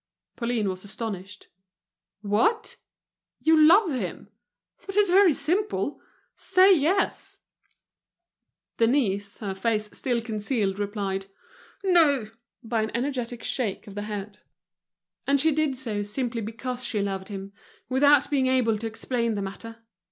Pauline was astonished. "What! you love him? But it's very simple: say yes." Denise, her face still concealed, replied "No" by an energetic shake of the head. And she did so, simply because she loved him, without being able to explain the matter.